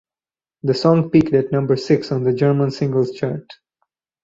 The song peaked at number six on the German Singles Chart.